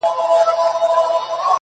لا صوفي له پښو څپلۍ نه وې ایستلې!.